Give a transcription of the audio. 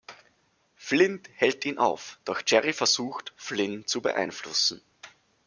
Flynn hält ihn auf, doch Jerry versucht, Flynn zu beeinflussen.